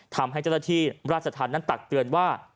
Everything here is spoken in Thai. ทำให้เจ้าหน้าที่ราชธรรมนั้นตักเตือนว่า